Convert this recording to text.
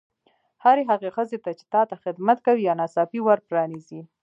هرې هغې ښځې ته چې تا ته خدمت کوي یا ناڅاپي ور پرانیزي.